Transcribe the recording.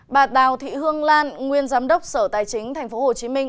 bà đào thị hương lan nguyên giám đốc sở tài chính tp hcm